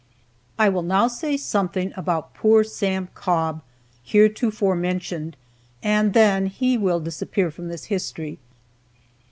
I will now say something about poor Sam Cobb, heretofore mentioned, and then he will disappear from this history.